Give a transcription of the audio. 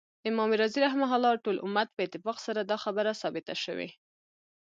امام رازی رحمه الله : ټول امت په اتفاق سره دا خبره ثابته سوی